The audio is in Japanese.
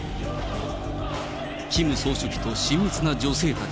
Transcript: キム総書記と親密な女性たち。